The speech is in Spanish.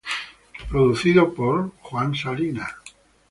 Producido por: Juan Salinas.